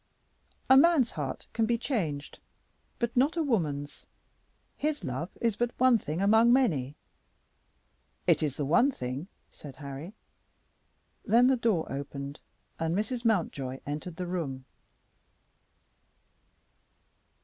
"A man's heart can be changed, but not a woman's. His love is but one thing among many." "It is the one thing," said Harry. Then the door opened, and Mrs. Mountjoy entered the room.